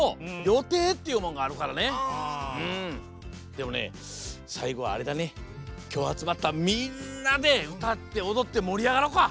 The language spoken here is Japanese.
でもねさいごはあれだねきょうあつまったみんなでうたっておどってもりあがろうか！